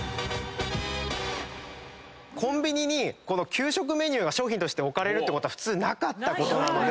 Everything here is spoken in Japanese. コンビニに給食メニューが商品として置かれるってことは普通なかったことなので。